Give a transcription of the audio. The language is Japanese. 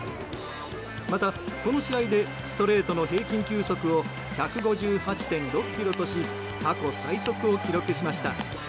またこの試合でストレートの平均球速を１５８．６キロとし過去最速を記録しました。